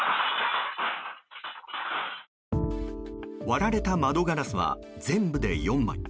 割られた窓ガラスは全部で４枚。